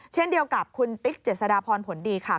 เช่นเดียวกับคุณติ๊กเจษฎาพรผลดีค่ะ